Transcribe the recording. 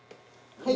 はい。